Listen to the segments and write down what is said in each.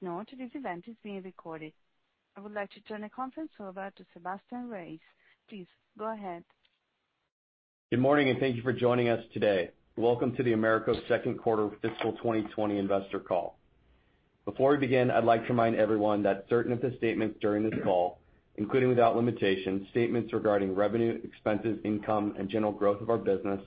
Please note, this event is being recorded. I would like to turn the conference over to Sebastian Reyes. Please go ahead. Good morning, and thank you for joining us today. Welcome to AMERCO's second quarter fiscal 2020 investor call. Before we begin, I'd like to remind everyone that certain of the statements during this call, including without limitation, statements regarding revenue, expenses, income, and general growth of our business,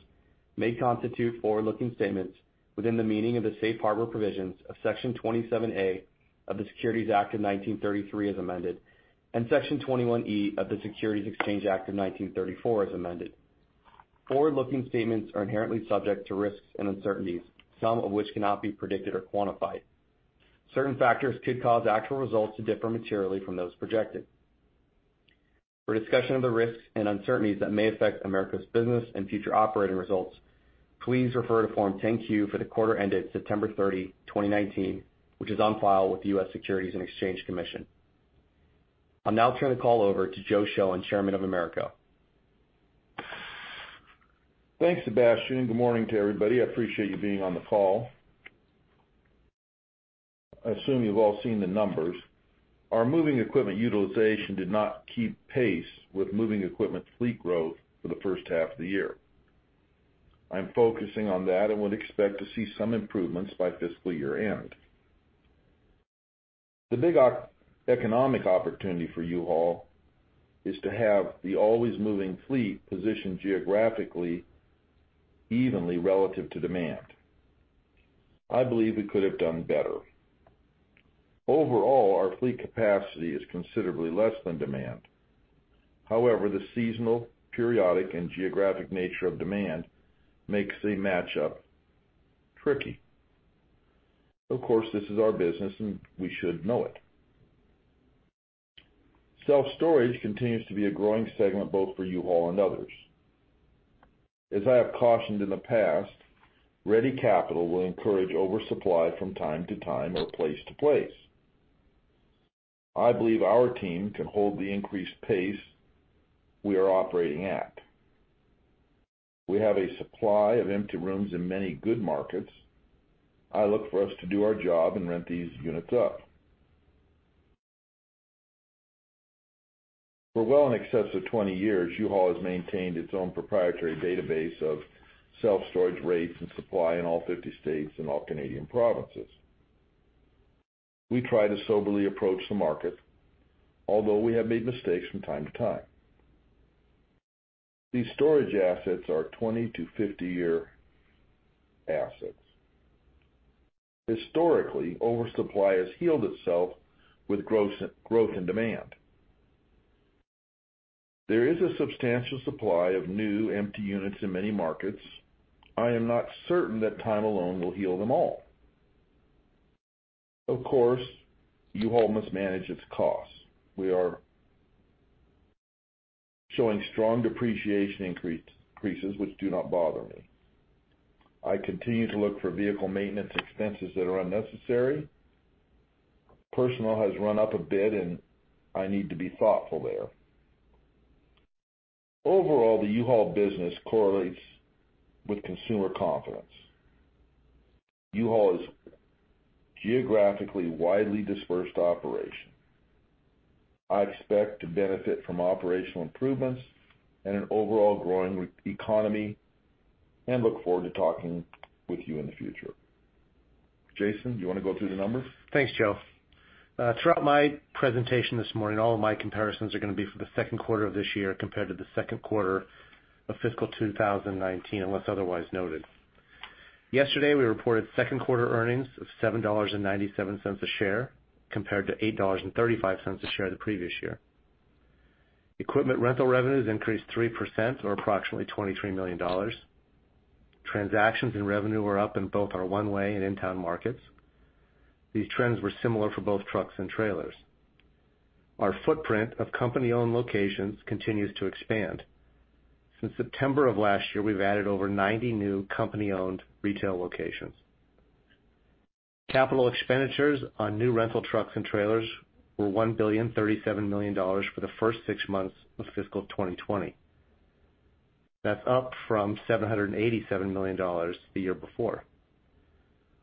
may constitute forward-looking statements within the meaning of the Safe Harbor provisions of Section 27A of the Securities Act of 1933, as amended, and Section 21E of the Securities Exchange Act of 1934, as amended. Forward-looking statements are inherently subject to risks and uncertainties, some of which cannot be predicted or quantified. Certain factors could cause actual results to differ materially from those projected. For discussion of the risks and uncertainties that may affect AMERCO's business and future operating results, please refer to Form 10-Q for the quarter ended September 30, 2019, which is on file with the U.S. Securities and Exchange Commission. I'll now turn the call over to Joe Shoen, Chairman of AMERCO. Thanks, Sebastian. Good morning to everybody. I appreciate you being on the call. I assume you've all seen the numbers. Our moving equipment utilization did not keep pace with moving equipment fleet growth for the first half of the year. I'm focusing on that and would expect to see some improvements by fiscal year-end. The big economic opportunity for U-Haul is to have the always moving fleet positioned geographically, evenly relative to demand. I believe we could have done better. Overall, our fleet capacity is considerably less than demand. However, the seasonal, periodic, and geographic nature of demand makes a match up tricky. Of course, this is our business, and we should know it. Self-storage continues to be a growing segment, both for U-Haul and others. As I have cautioned in the past, ready capital will encourage oversupply from time to time or place to place. I believe our team can hold the increased pace we are operating at. We have a supply of empty rooms in many good markets. I look for us to do our job and rent these units up. For well in excess of 20 years, U-Haul has maintained its own proprietary database of self-storage rates and supply in all 50 states and all Canadian provinces. We try to soberly approach the market, although we have made mistakes from time to time. These storage assets are 20- to 50-year assets. Historically, oversupply has healed itself with gross growth and demand. There is a substantial supply of new empty units in many markets. I am not certain that time alone will heal them all. Of course, U-Haul must manage its costs. We are showing strong depreciation increases, which do not bother me. I continue to look for vehicle maintenance expenses that are unnecessary. Personnel has run up a bit, and I need to be thoughtful there. Overall, the U-Haul business correlates with consumer confidence. U-Haul is geographically widely dispersed operation. I expect to benefit from operational improvements and an overall growing recovery economy and look forward to talking with you in the future. Jason, do you want to go through the numbers? Thanks, Joe. Throughout my presentation this morning, all of my comparisons are going to be for the second quarter of this year compared to the second quarter of fiscal 2019, unless otherwise noted. Yesterday, we reported second quarter earnings of $7.97 a share, compared to $8.35 a share the previous year. Equipment rental revenues increased 3% or approximately $23 million. Transactions and revenue were up in both our One-way and in-town markets. These trends were similar for both trucks and trailers. Our footprint of company-owned locations continues to expand. Since September of last year, we've added over 90 new company-owned retail locations. Capital expenditures on new rental trucks and trailers were $1.037 billion for the first six months of fiscal 2020. That's up from $787 million the year before.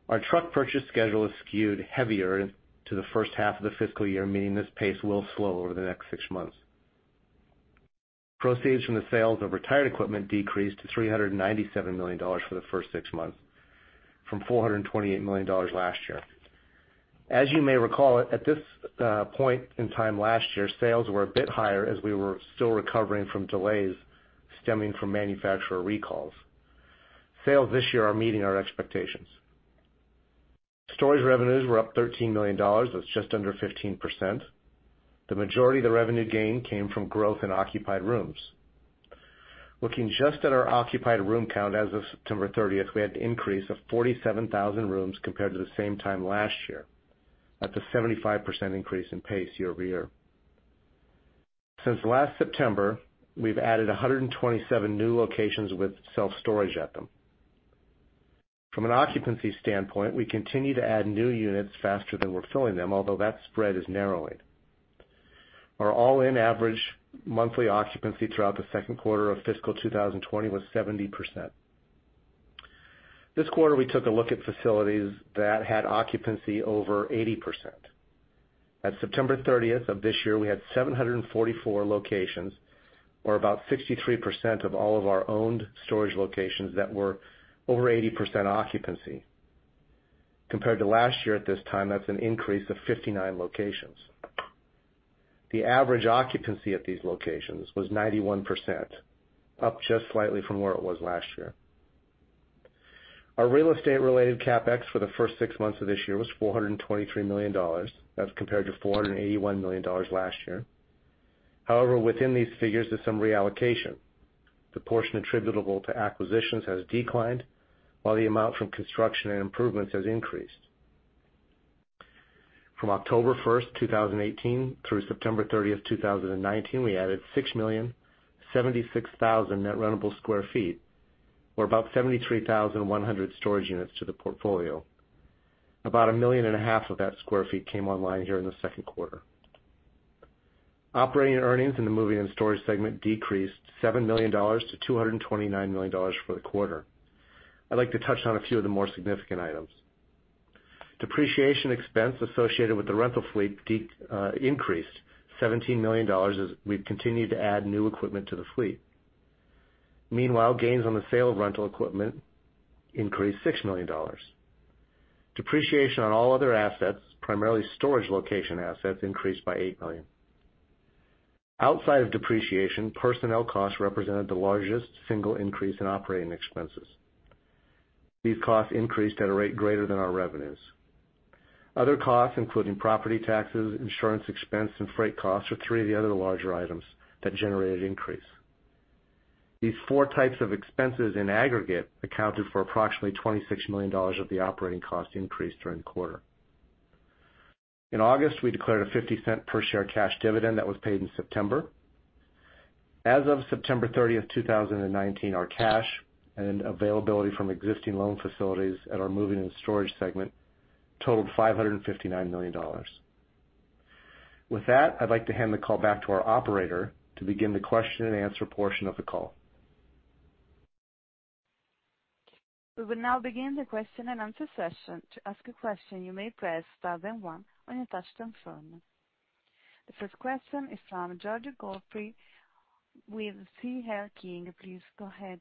Our truck purchase schedule is skewed heavier in to the first half of the fiscal year, meaning this pace will slow over the next six months. Proceeds from the sales of retired equipment decreased to $397 million for the first six months, from $428 million last year. As you may recall, at this point in time last year, sales were a bit higher as we were still recovering from delays stemming from manufacturer recalls. Sales this year are meeting our expectations. Storage revenues were up $13 million. That's just under 15%. The majority of the revenue gain came from growth in occupied rooms. Looking just at our occupied room count as of September thirtieth, we had an increase of 47,000 rooms compared to the same time last year, at a 75% increase in pace year over year. Since last September, we've added 127 new locations with self-storage at them. From an occupancy standpoint, we continue to add new units faster than we're filling them, although that spread is narrowing. Our all-in average monthly occupancy throughout the second quarter of fiscal 2020 was 70%. This quarter, we took a look at facilities that had occupancy over 80%. At September thirtieth of this year, we had 744 locations, or about 63% of all of our owned storage locations that were over 80% occupancy. Compared to last year at this time, that's an increase of 59 locations. The average occupancy at these locations was 91%, up just slightly from where it was last year. Our real estate-related CapEx for the first six months of this year was $423 million. That's compared to $481 million last year. However, within these figures, there's some reallocation. The portion attributable to acquisitions has declined, while the amount from construction and improvements has increased. From October 1, 2018 through September 30, 2019, we added 6 million 76,000 net rentable sq ft, or about 73,100 storage units to the portfolio. About 1.5 million sq ft of that came online here in the second quarter. Operating earnings in the moving and storage segment decreased $7 million to $229 million for the quarter. I'd like to touch on a few of the more significant items. Depreciation expense associated with the rental fleet increased $17 million as we've continued to add new equipment to the fleet. Meanwhile, gains on the sale of rental equipment increased $6 million. Depreciation on all other assets, primarily storage location assets, increased by $8 million. Outside of depreciation, personnel costs represented the largest single increase in operating expenses. These costs increased at a rate greater than our revenues. Other costs, including property taxes, insurance expense, and freight costs, are three of the other larger items that generated increase. These four types of expenses in aggregate accounted for approximately $26 million of the operating cost increase during the quarter. In August, we declared a $0.50 per share cash dividend that was paid in September. As of September thirtieth, 2019, our cash and availability from existing loan facilities at our moving and storage segment totaled $559 million. With that, I'd like to hand the call back to our operator to begin the question and answer portion of the call. We will now begin the question and answer session. To ask a question, you may press star then one on your touch-tone phone. The first question is from George Godfrey with C.L. King & Associates. Please go ahead.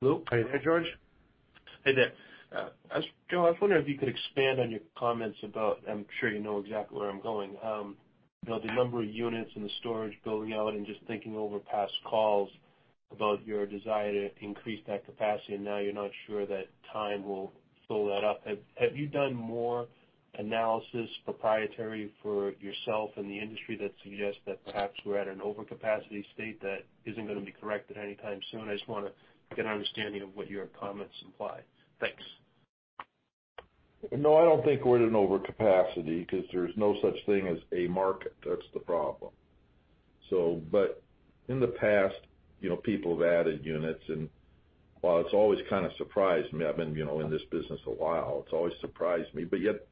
Hello, are you there, George? Hey there. Joe, I was wondering if you could expand on your comments about... I'm sure you know exactly where I'm going. You know, the number of units in the storage building out, and just thinking over past calls about your desire to increase that capacity, and now you're not sure that time will fill that up. Have you done more analysis, proprietary for yourself and the industry, that suggests that perhaps we're at an overcapacity state that isn't gonna be corrected anytime soon? I just wanna get an understanding of what your comments imply. Thanks. No, I don't think we're in an overcapacity, because there's no such thing as a market. That's the problem so but in the past, you know, people have added units, and while it's always kind of surprised me, I've been, you know, in this business a while, it's always surprised me, but yet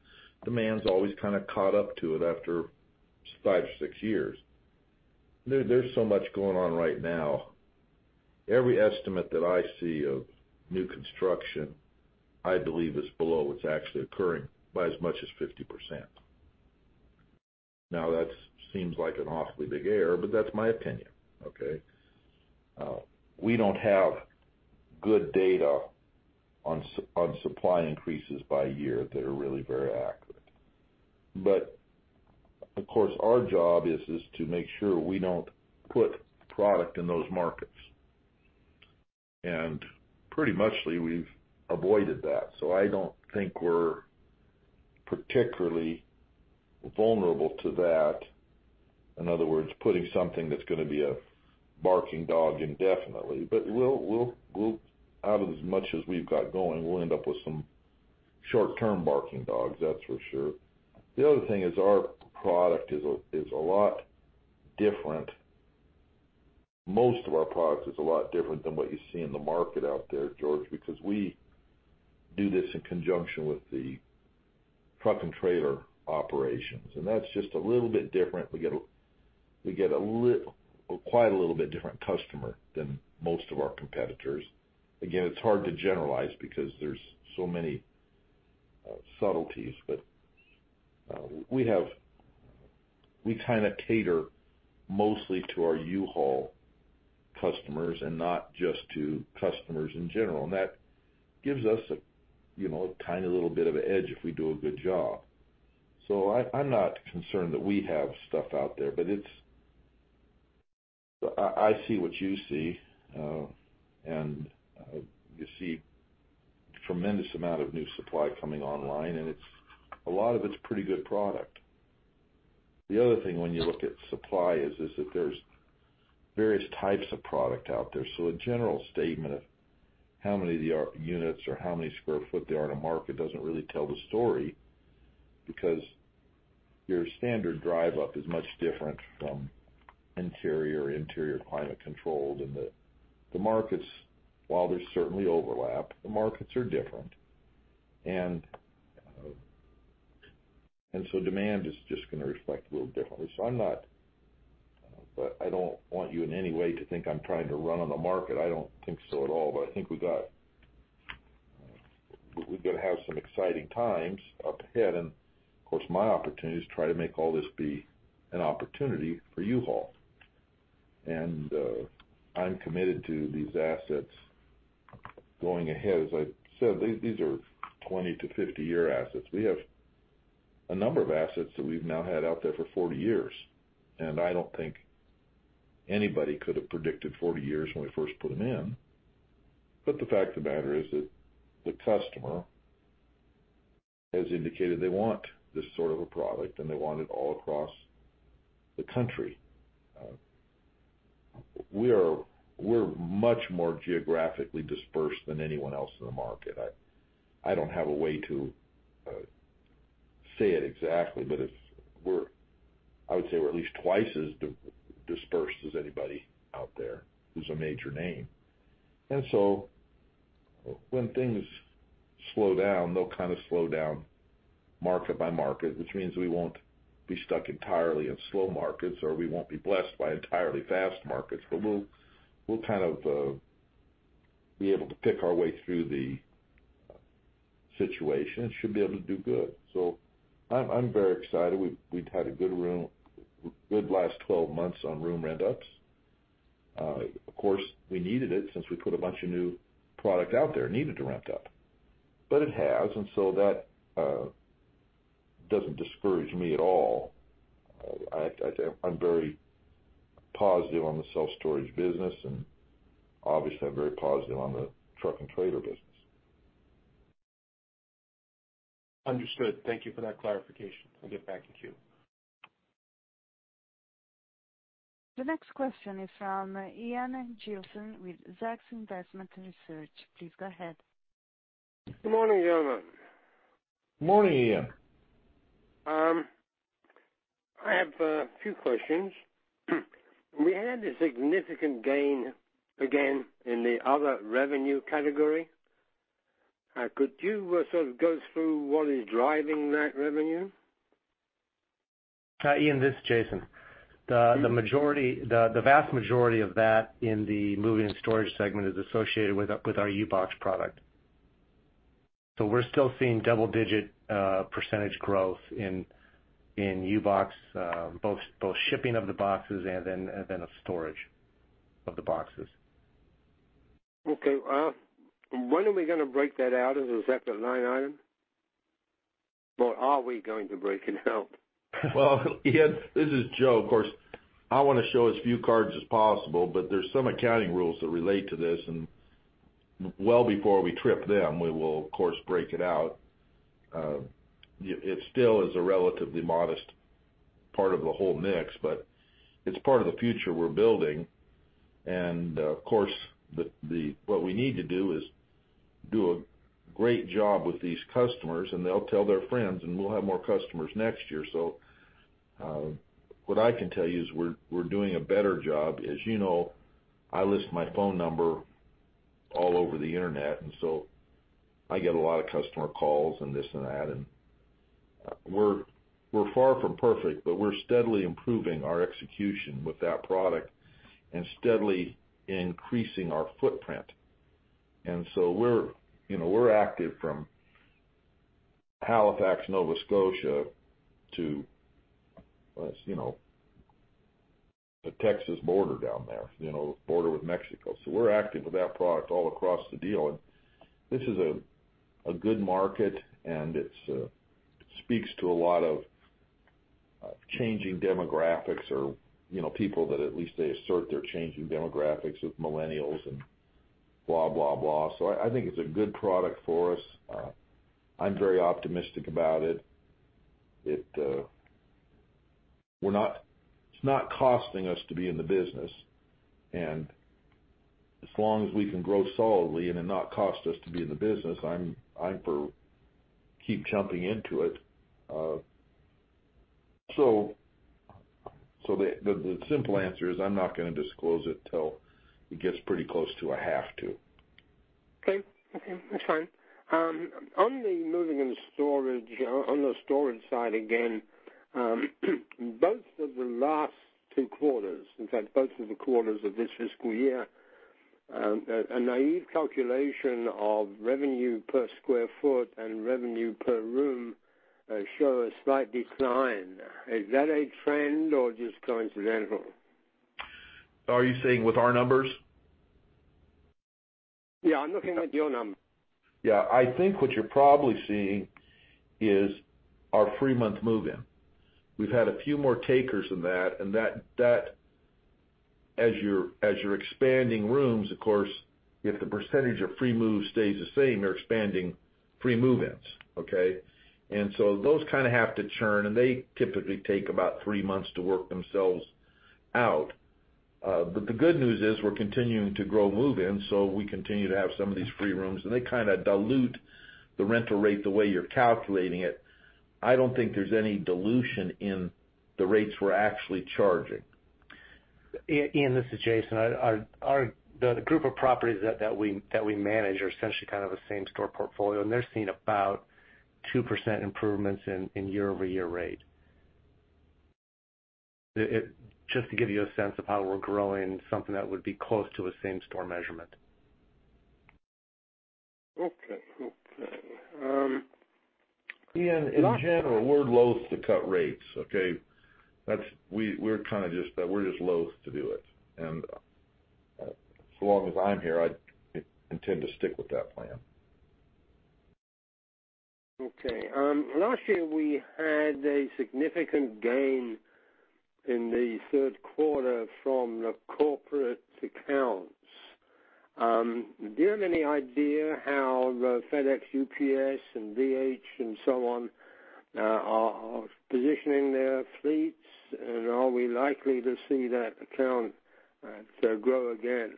demand's always kind of caught up to it after five or six years. There's so much going on right now. Every estimate that I see of new construction, I believe, is below what's actually occurring by as much as 50%. Now, that seems like an awfully big error, but that's my opinion, okay? We don't have good data on supply increases by year that are really very accurate. But, of course, our job is to make sure we don't put product in those markets. And pretty much we've avoided that, so I don't think we're particularly vulnerable to that. In other words, putting something that's gonna be a barking dog indefinitely. But we'll out of as much as we've got going, we'll end up with some short-term barking dogs, that's for sure. The other thing is, our product is a lot different. Most of our products is a lot different than what you see in the market out there, George, because we do this in conjunction with the truck and trailer operations, and that's just a little bit different. We get quite a little bit different customer than most of our competitors. Again, it's hard to generalize because there's so many subtleties, but we have... We kind of cater mostly to our U-Haul customers and not just to customers in general. That gives us, you know, a tiny little bit of an edge if we do a good job. So I'm not concerned that we have stuff out there, but it's... I see what you see, and you see a tremendous amount of new supply coming online, and it's a lot of it's pretty good product. The other thing, when you look at supply, is that there's various types of product out there. So a general statement of how many units or how many square foot there are in a market doesn't really tell the story because your standard drive-up is much different from interior climate controlled, and so demand is just going to reflect a little differently. I'm not, but I don't want you in any way to think I'm trying to run on the market. I don't think so at all, but I think we're going to have some exciting times up ahead, and of course, my opportunity is to try to make all this be an opportunity for U-Haul, and I'm committed to these assets going ahead. As I said, these are 20-50-year assets. We have a number of assets that we've now had out there for 40 years, and I don't think anybody could have predicted 40 years when we first put them in, but the fact of the matter is that the customer has indicated they want this sort of a product, and they want it all across the country. We're much more geographically dispersed than anyone else in the market. I don't have a way to say it exactly, but it's, we're, I would say, we're at least twice as dispersed as anybody out there who's a major name. And so when things slow down, they'll kind of slow down market by market, which means we won't be stuck entirely in slow markets, or we won't be blessed by entirely fast markets, but we'll kind of be able to pick our way through the situation and should be able to do good. So I'm very excited. We've had a good run, good last twelve months on room rentals. Of course, we needed it since we put a bunch of new product out there, it needed to ramp up, but it has, and so that doesn't discourage me at all. I'm very positive on the self-storage business, and obviously, I'm very positive on the truck and trailer business. Understood. Thank you for that clarification. I'll get back in queue. The next question is from Ian Gilson with Zacks Investment Research. Please go ahead. Good morning, gentlemen. Morning, Ian. I have a few questions. We had a significant gain again in the other revenue category. Could you sort of go through what is driving that revenue? Ian, this is Jason. The majority, the vast majority of that in the moving and storage segment is associated with our U-Box product. We're still seeing double-digit % growth in U-Box, both shipping of the boxes and then the storage of the boxes. Okay. When are we going to break that out? Is that the line item, or are we going to break it out? Ian, this is Joe. Of course, I want to show as few cards as possible, but there's some accounting rules that relate to this, and before we trip them, we will, of course, break it out. It still is a relatively modest part of the whole mix, but it's part of the future we're building, and, of course, what we need to do is do a great job with these customers, and they'll tell their friends, and we'll have more customers next year, so what I can tell you is we're doing a better job. As you know, I list my phone number all over the internet, and so I get a lot of customer calls and this and that, and we're far from perfect, but we're steadily improving our execution with that product and steadily increasing our footprint. You know, we're active from Halifax, Nova Scotia, to, as you know, the Texas border down there, you know, border with Mexico. So we're active with that product all across the deal, and this is a good market, and it speaks to a lot of changing demographics or, you know, people that at least they assert they're changing demographics with millennials and blah, blah, blah. So I think it's a good product for us. I'm very optimistic about it. It's not costing us to be in the business, and as long as we can grow solidly and it not cost us to be in the business, I'm for keep jumping into it. So the simple answer is I'm not going to disclose it till it gets pretty close to a half, two. Okay. Okay, that's fine. On the moving and storage, on the storage side, again, both of the last two quarters, in fact, both of the quarters of this fiscal year, a naive calculation of revenue per square foot and revenue per room show a slight decline. Is that a trend or just coincidental? Are you saying with our numbers? Yeah, I'm looking at your numbers. Yeah. I think what you're probably seeing is our free month move-in. We've had a few more takers than that, and that as you're expanding rooms, of course, if the percentage of free move stays the same, you're expanding free move-ins, okay? And so those kind of have to churn, and they typically take about three months to work themselves out. But the good news is we're continuing to grow move-ins, so we continue to have some of these free rooms, and they kind of dilute the rental rate the way you're calculating it. I don't think there's any dilution in the rates we're actually charging. Ian, this is Jason. Our group of properties that we manage are essentially kind of a same-store portfolio, and they're seeing about 2% improvements in year-over-year rate. It just to give you a sense of how we're growing, something that would be close to a same-store measurement. Okay. Okay. Ian, in general, we're loath to cut rates, okay? That's- we, we're kind of just, we're just loath to do it. And, so long as I'm here, I intend to stick with that plan. Okay. Last year, we had a significant gain in the third quarter from the corporate accounts. Do you have any idea how the FedEx, UPS, and DHL and so on are positioning their fleets? And are we likely to see that account grow again?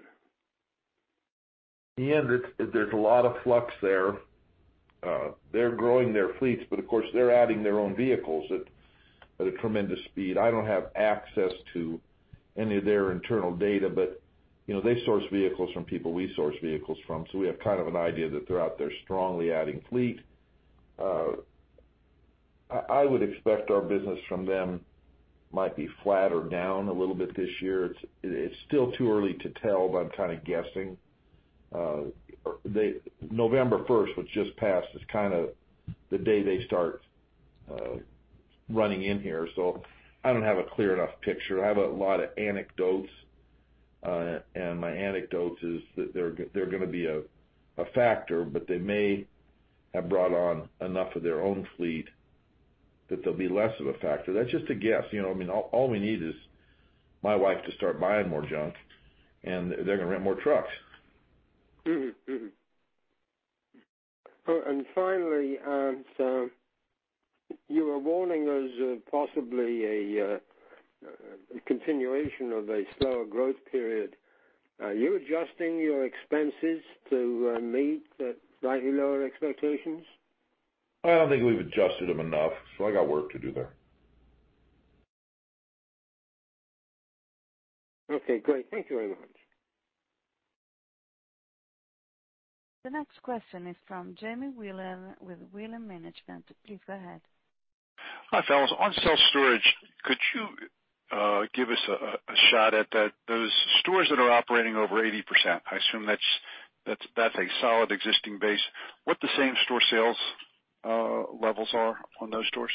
Ian, there's a lot of flux there. They're growing their fleets, but of course, they're adding their own vehicles at a tremendous speed. I don't have access to any of their internal data, but, you know, they source vehicles from people we source vehicles from, so we have kind of an idea that they're out there strongly adding fleet. I would expect our business from them might be flat or down a little bit this year. It's still too early to tell, but I'm kind of guessing. November first, which just passed, is kind of the day they start running in here, so I don't have a clear enough picture. I have a lot of anecdotes, and my anecdotes is that they're gonna be a factor, but they may have brought on enough of their own fleet that they'll be less of a factor. That's just a guess. You know, I mean, all we need is my wife to start buying more junk, and they're gonna rent more trucks. Mm-hmm. Mm-hmm. Oh, and finally, so you were warning us of possibly a continuation of a slower growth period. Are you adjusting your expenses to meet the slightly lower expectations? I don't think we've adjusted them enough, so I got work to do there. Okay, great. Thank you very much. The next question is from Jamie Wilen with Wilen Management. Please go ahead. Hi, fellas. On self-storage, could you give us a shot at that, those stores that are operating over 80%, I assume that's a solid existing base. What the same-store sales levels are on those stores?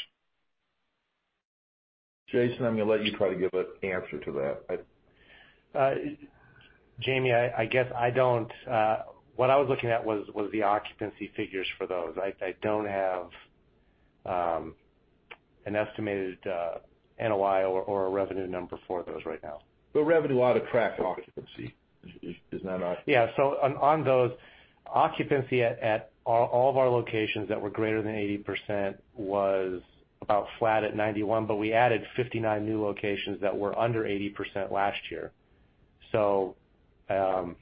Jason, I'm gonna let you try to give an answer to that. I- Jamie, what I was looking at was the occupancy figures for those. I don't have an estimated NOI or a revenue number for those right now. But revenue ought to track occupancy. Is not our- Yeah. So on those, occupancy at all of our locations that were greater than 80% was about flat at 91%, but we added 59 new locations that were under 80% last year. So, I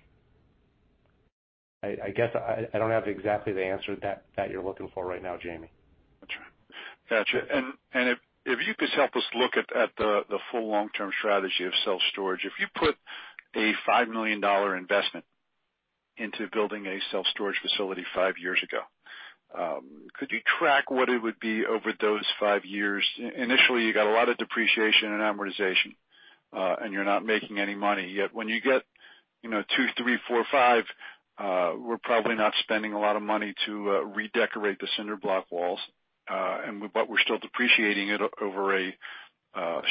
guess I don't have exactly the answer that you're looking for right now, Jamie. Gotcha. And if you could help us look at the full long-term strategy of self-storage, if you put a $5 million investment into building a self-storage facility five years ago, could you track what it would be over those five years? Initially, you got a lot of depreciation and amortization, and you're not making any money, yet when you get, you know, two, three, four, five, we're probably not spending a lot of money to redecorate the cinder block walls, and but we're still depreciating it over a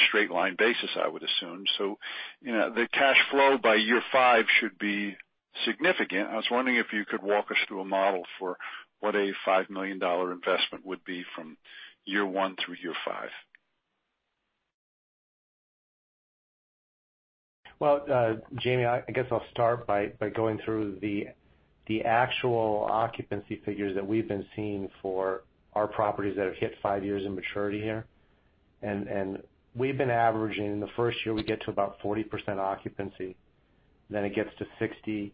straight line basis, I would assume. So, you know, the cash flow by year five should be significant. I was wondering if you could walk us through a model for what a $5 million investment would be from year one through year five. Jamie, I guess I'll start by going through the actual occupancy figures that we've been seeing for our properties that have hit five years in maturity here. We've been averaging. In the first year, we get to about 40% occupancy, then it gets to 60%,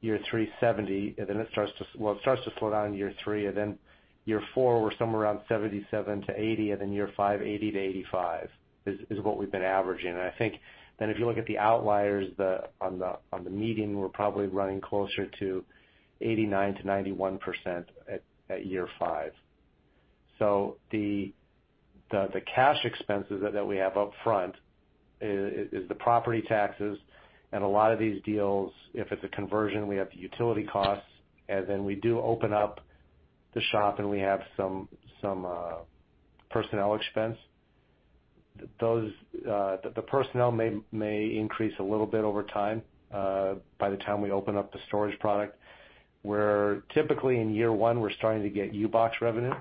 year three, 70%, and then it starts to slow down in year three, and then year four, we're somewhere around 77-80%, and then year five, 80-85%, is what we've been averaging. I think, then if you look at the outliers, on the median, we're probably running closer to 89-91% at year five. So the cash expenses that we have up front is the property taxes, and a lot of these deals, if it's a conversion, we have the utility costs, and then we do open up the shop, and we have some personnel expense. Those personnel may increase a little bit over time by the time we open up the storage product. Where typically in year one, we're starting to get U-Box revenue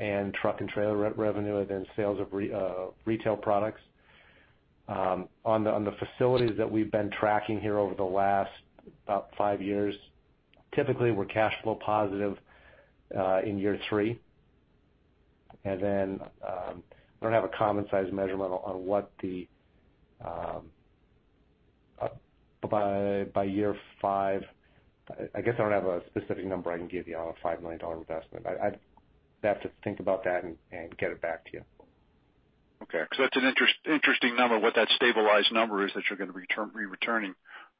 and truck and trailer revenue, and then sales of retail products. On the facilities that we've been tracking here over the last about five years, typically, we're cash flow positive in year three. And then we don't have a common size measurement on what the... but by year five, I guess I don't have a specific number I can give you on a $5 million investment. I'd have to think about that and get it back to you. Okay. Because that's an interesting number, what that stabilized number is that you're going to be returning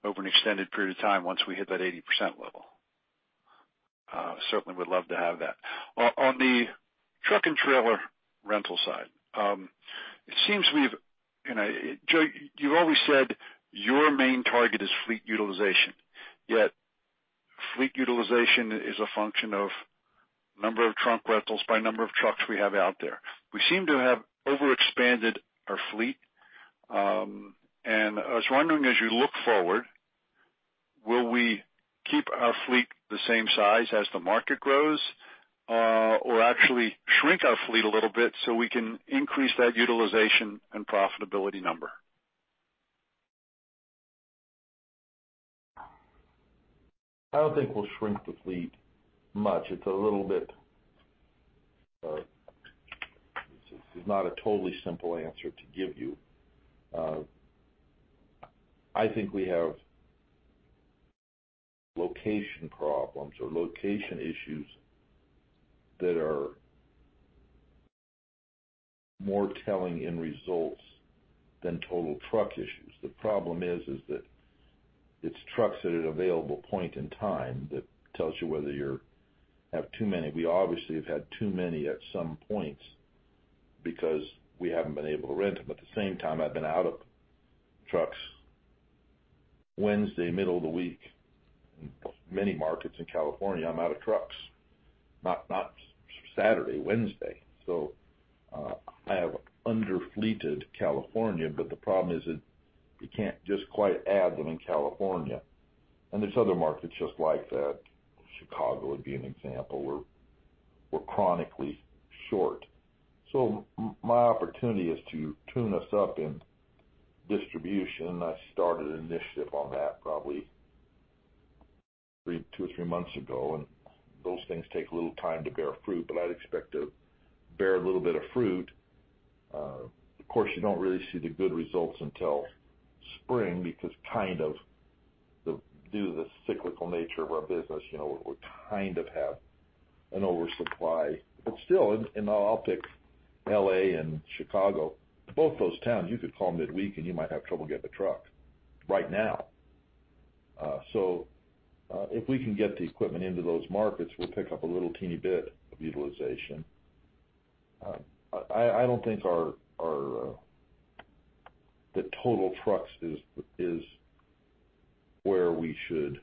over an extended period of time once we hit that 80% level. Certainly would love to have that. On the truck and trailer rental side, it seems to me, you know, Joe, you've always said your main target is fleet utilization, yet fleet utilization is a function of number of truck rentals by number of trucks we have out there. We seem to have overexpanded our fleet, and I was wondering, as you look forward, will we keep our fleet the same size as the market grows, or actually shrink our fleet a little bit so we can increase that utilization and profitability number? I don't think we'll shrink the fleet much. It's a little bit. This is not a totally simple answer to give you. I think we have location problems or location issues that are more telling in results than total truck issues. The problem is that it's trucks at an available point in time that tells you whether you have too many. We obviously have had too many at some points because we haven't been able to rent them. At the same time, I've been out of trucks Wednesday, middle of the week. Many markets in California, I'm out of trucks. Not Saturday, Wednesday. So I have under-fleeted California, but the problem is that you can't just quite add them in California, and there's other markets just like that. Chicago would be an example, where we're chronically short. So my opportunity is to tune us up in distribution. I started an initiative on that probably two or three months ago, and those things take a little time to bear fruit, but I'd expect to bear a little bit of fruit. Of course, you don't really see the good results until spring, because, due to the cyclical nature of our business, you know, we kind of have an oversupply. But still, and I'll pick LA and Chicago, both those towns, you could call them midweek, and you might have trouble getting a truck right now. So, if we can get the equipment into those markets, we'll pick up a little teeny bit of utilization. I don't think our total trucks is where we should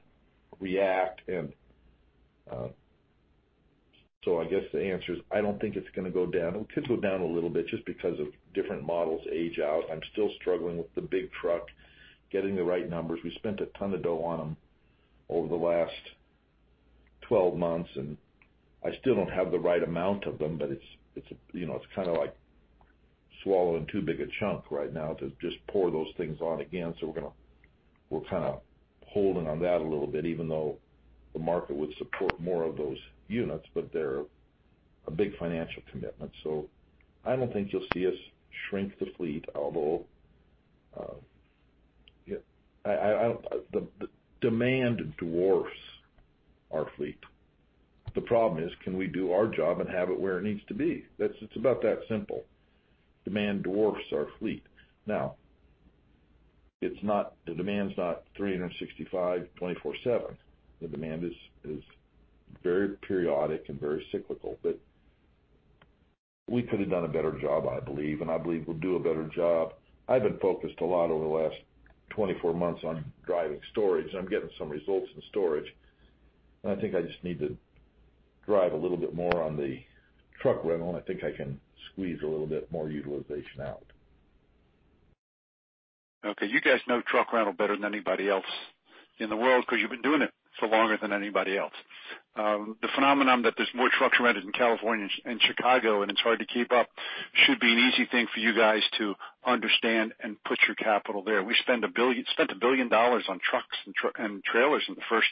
react. And, so I guess the answer is I don't think it's going to go down. It could go down a little bit just because of different models age out. I'm still struggling with the big truck, getting the right numbers. We spent a ton of dough on them over the last twelve months, and I still don't have the right amount of them, but it's, you know, it's kind of like swallowing too big a chunk right now to just pour those things on again. So we're kind of holding on that a little bit, even though the market would support more of those units, but they're a big financial commitment, so I don't think you'll see us shrink the fleet. Although the demand dwarfs our fleet. The problem is, can we do our job and have it where it needs to be? That's. It's about that simple. Demand dwarfs our fleet. Now, it's not. The demand's not three hundred and sixty-five, twenty-four/seven. The demand is very periodic and very cyclical, but we could have done a better job, I believe, and I believe we'll do a better job. I've been focused a lot over the last twenty-four months on driving storage. I'm getting some results in storage, and I think I just need to drive a little bit more on the truck rental, and I think I can squeeze a little bit more utilization out. Okay, you guys know truck rental better than anybody else in the world because you've been doing it for longer than anybody else. The phenomenon that there's more trucks rented in California and Chicago, and it's hard to keep up, should be an easy thing for you guys to understand and put your capital there. We spent $1 billion on trucks and trailers in the first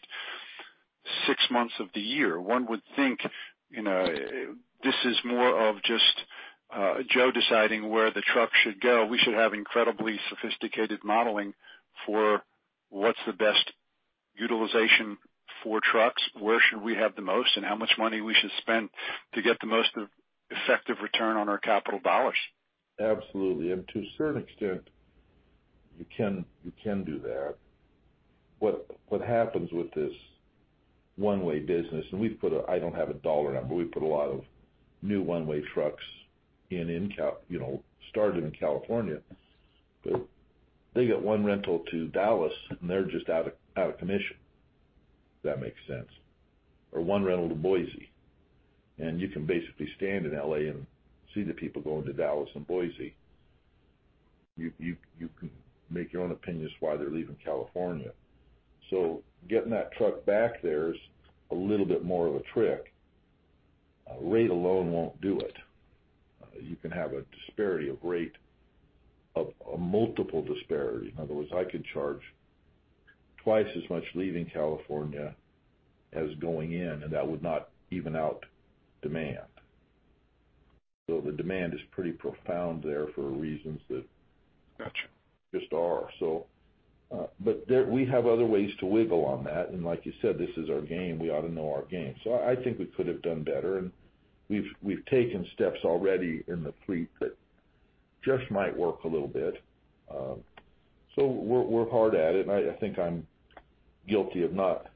six months of the year. One would think, you know, this is more of just Joe deciding where the trucks should go. We should have incredibly sophisticated modeling for what's the best utilization for trucks, where should we have the most, and how much money we should spend to get the most effective return on our capital dollars. Absolutely, and to a certain extent, you can do that. What happens with this one-way business, and we've put a... I don't have a dollar number, we've put a lot of new one-way trucks in California. You know, started in California. But they get one rental to Dallas, and they're just out of commission. If that makes sense. Or one rental to Boise, and you can basically stand in LA and see the people going to Dallas and Boise. You can make your own opinions why they're leaving California. So getting that truck back there is a little bit more of a trick. Rate alone won't do it. You can have a disparity of rate, a multiple disparity. In other words, I could charge twice as much leaving California as going in, and that would not even out demand. So the demand is pretty profound there for reasons that- Got you. Just are. So, but there, we have other ways to wiggle on that, and like you said, this is our game. We ought to know our game. So I think we could have done better, and we've taken steps already in the fleet that just might work a little bit. So we're hard at it, and I think I'm guilty of not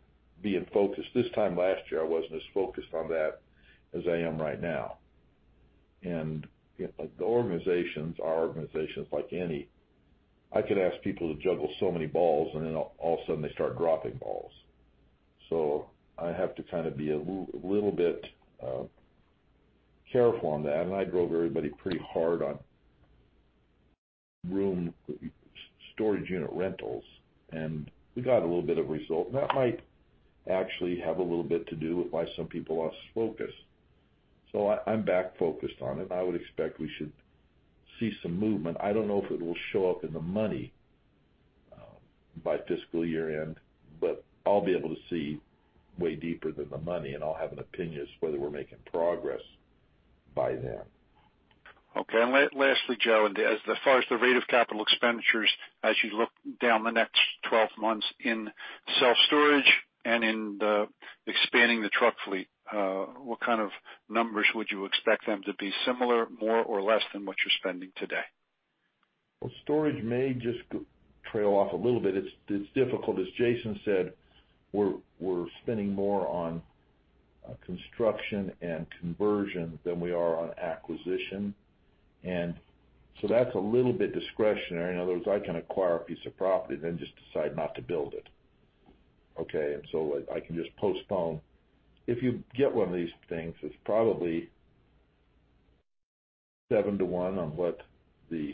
being focused. This time last year, I wasn't as focused on that as I am right now. And, like, the organizations, our organization is like any. I can ask people to juggle so many balls, and then all of a sudden, they start dropping balls. So I have to kind of be a little bit careful on that. And I drove everybody pretty hard on room, storage unit rentals, and we got a little bit of result. And that might actually have a little bit to do with why some people lost focus. So I, I'm back focused on it, and I would expect we should see some movement. I don't know if it will show up in the money by fiscal year-end, but I'll be able to see way deeper than the money, and I'll have an opinion as to whether we're making progress by then. Okay. And lastly, Joe, as far as the rate of capital expenditures, as you look down the next 12 months in self-storage and in expanding the truck fleet, what kind of numbers would you expect them to be? Similar, more, or less than what you're spending today? Storage may just trail off a little bit. It's difficult. As Jason said, we're spending more on construction and conversion than we are on acquisition, and so that's a little bit discretionary. In other words, I can acquire a piece of property, then just decide not to build it, okay? And so I can just postpone. If you get one of these things, it's probably seven to one on what the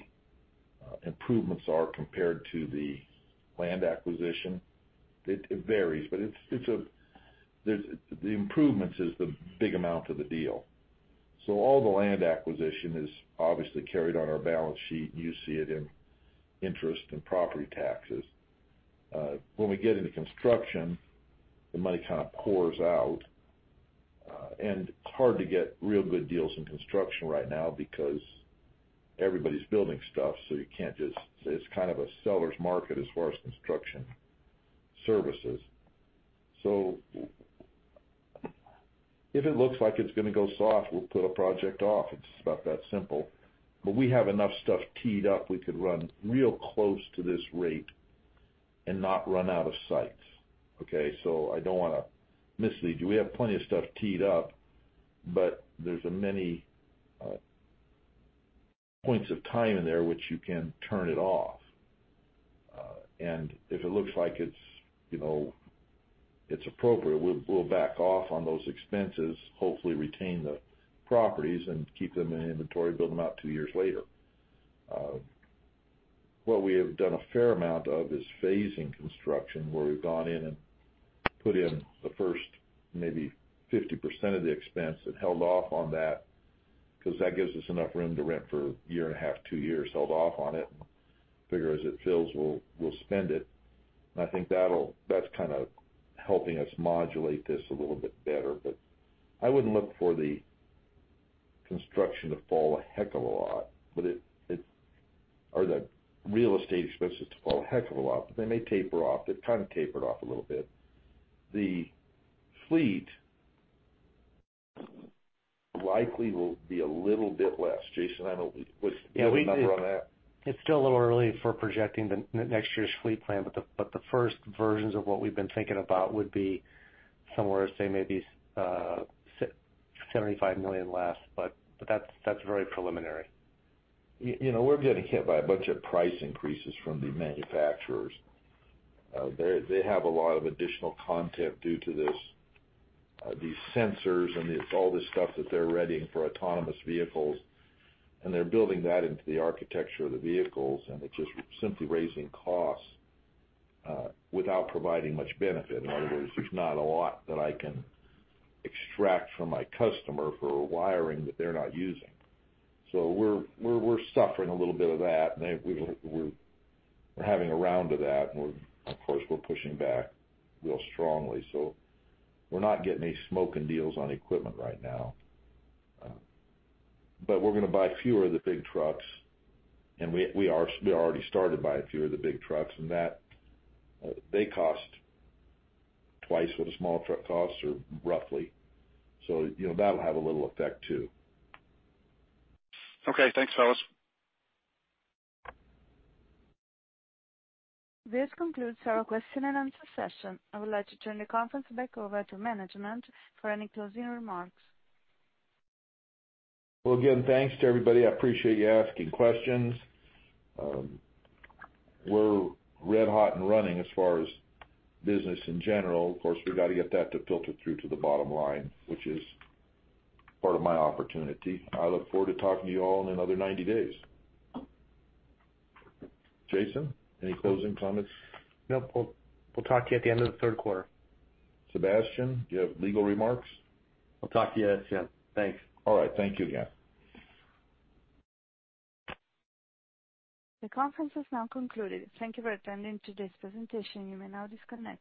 improvements are compared to the land acquisition. It varies, but it's. There's, the improvements is the big amount of the deal. So all the land acquisition is obviously carried on our balance sheet, and you see it in interest and property taxes. When we get into construction, the money kind of pours out, and it's hard to get real good deals in construction right now because everybody's building stuff, so you can't just... It's kind of a seller's market as far as construction services. So if it looks like it's gonna go soft, we'll put a project off. It's about that simple. But we have enough stuff teed up, we could run real close to this rate and not run out of sites, okay? So I don't want to mislead you. We have plenty of stuff teed up, but there's many points of time in there which you can turn it off. And if it looks like it's, you know, it's appropriate, we'll back off on those expenses, hopefully retain the properties and keep them in inventory, build them out two years later. What we have done a fair amount of is phasing construction, where we've gone in and put in the first maybe 50% of the expense and held off on that, because that gives us enough room to rent for a year and a half, two years, held off on it. Figure as it fills, we'll spend it. And I think that'll. That's kind of helping us modulate this a little bit better. But I wouldn't look for the construction to fall a heck of a lot, but it, or the real estate expenses to fall a heck of a lot, but they may taper off. They've kind of tapered off a little bit. The fleet likely will be a little bit less. Jason, I don't, what's the number on that? It's still a little early for projecting next year's fleet plan, but the first versions of what we've been thinking about would be somewhere, say, maybe, $75 million less, but that's very preliminary. You know, we're getting hit by a bunch of price increases from the manufacturers. They have a lot of additional content due to this, these sensors and it's all this stuff that they're readying for autonomous vehicles, and they're building that into the architecture of the vehicles, and it's just simply raising costs, without providing much benefit. In other words, there's not a lot that I can extract from my customer for wiring that they're not using. So we're suffering a little bit of that, and we're having a round of that, and, of course, we're pushing back real strongly. So we're not getting any smoking deals on equipment right now. But we're gonna buy fewer of the big trucks, and we are, we already started buying fewer of the big trucks, and that they cost twice what a small truck costs, or roughly. So you know, that'll have a little effect, too. Okay. Thanks, fellas. This concludes our question and answer session. I would like to turn the conference back over to management for any closing remarks. Again, thanks to everybody. I appreciate you asking questions. We're red hot and running as far as business in general. Of course, we've got to get that to filter through to the bottom line, which is part of my opportunity. I look forward to talking to you all in another ninety days. Jason, any closing comments? Nope. We'll talk to you at the end of the third quarter. Sebastian, do you have legal remarks? I'll talk to you guys then. Thanks. All right. Thank you, again. The conference is now concluded. Thank you for attending today's presentation. You may now disconnect.